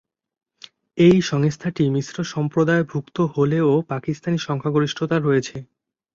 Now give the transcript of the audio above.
এই সংস্থাটি মিশ্র সম্প্রদায়ভুক্ত হলেও পাকিস্তানি সংখ্যাগরিষ্ঠতা রয়েছে।